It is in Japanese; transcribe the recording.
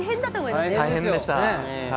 大変でした。